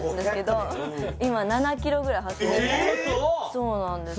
そうなんです